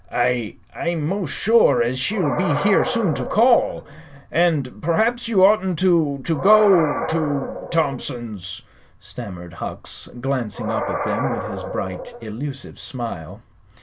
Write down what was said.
"I I'm 'most sure as she'll be here soon to call, sir. And perhaps you oughtn't to to go to Thompson's," stammered Hucks, glancing up at them with his bright, elusive smile.